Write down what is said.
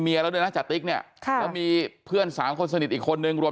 เมียแล้วด้วยนะจติ๊กเนี่ยเขามีเพื่อน๓คนสนิทอีกคนหนึ่งรวม